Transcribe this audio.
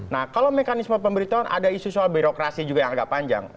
nah kalau mekanisme pemberitahuan ada isu soal birokrasi juga yang agak panjang